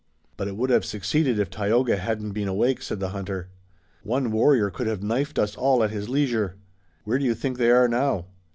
"But it would have succeeded if Tayoga hadn't been awake," said the hunter. "One warrior could have knifed us all at his leisure." "Where do you think they are now?"